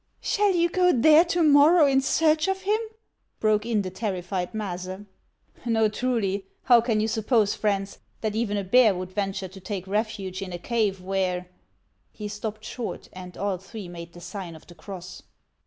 " Shall you go there to morrow in search of him ?" broke in the terrified Maase. " No, truly ; how can you suppose, friends, that even a bear would venture to take refuse in a cave where —" HANS OF ICELAND. 313 He stopped short, and all three made the sign of the cross.